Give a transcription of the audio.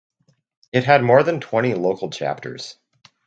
It had more than twenty local chapters.